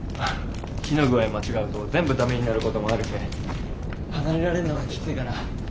火の具合間違うと全部駄目になる事もあるけぇ離れられんのがきついかな。